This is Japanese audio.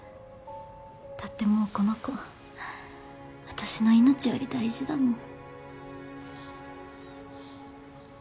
だってもうこの子私の命より大事だもん。